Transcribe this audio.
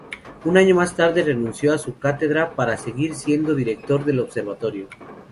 Un año más tarde renunció a su cátedra para seguir siendo director del observatorio.